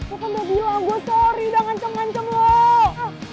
udah dia bilang gue sorry udah ngancam ngancam lu